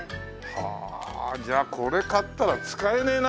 はあじゃあこれ買ったら使えねえな！